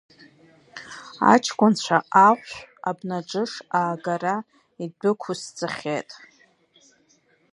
Аҷкәынцәа ахәшә, абнаџыш аагара идәықәысҵахьеит.